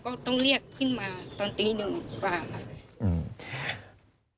ก็ต้องเรียกขึ้นมาตอนตีหนึ่งกว่าค่ะอืม